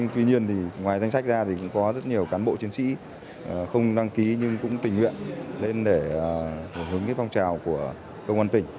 tuy nhiên thì ngoài danh sách ra thì cũng có rất nhiều cán bộ chiến sĩ không đăng ký nhưng cũng tình nguyện lên để hướng cái phong trào của công an tỉnh